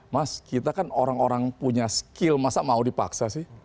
mas kita kan orang orang punya skill masa mau dipaksa sih